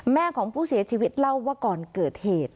แม่ของผู้เสียชีวิตเล่าว่าก่อนเกิดเหตุ